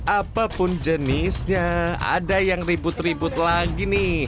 apapun jenisnya ada yang ribut ribut lagi nih